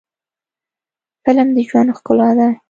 فلم د ژوند ښکلا ده